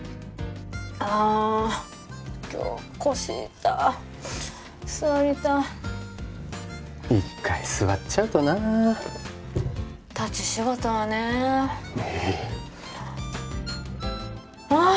あ今日腰痛っ座りたい一回座っちゃうとな立ち仕事はねええあっ